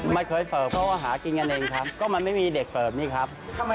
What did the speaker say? ไม่เคยเฝิบเขาก็มาหากินกันเองครับ